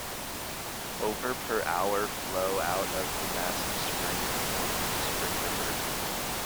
Over per hour flow out of the massive spring and forms the Spring River.